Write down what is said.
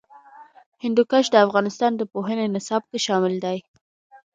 هندوکش د افغانستان د پوهنې نصاب کې شامل دي.